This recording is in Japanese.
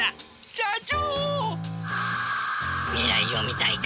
社長。